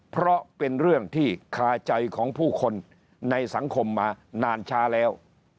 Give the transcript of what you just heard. เพราะเป็นเรื่องที่คาใจของผู้คนในสังคมมานานช้าแล้ว